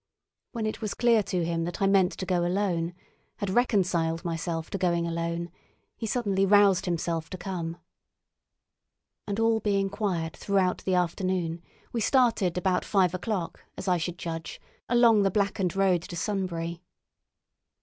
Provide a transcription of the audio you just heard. When it was clear to him that I meant to go alone—had reconciled myself to going alone—he suddenly roused himself to come. And all being quiet throughout the afternoon, we started about five o'clock, as I should judge, along the blackened road to Sunbury.